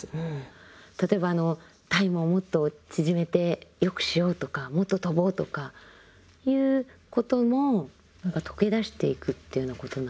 例えばあのタイムをもっと縮めて良くしようとかもっと跳ぼうとかいうことも何か溶け出していくというようなことなんですか？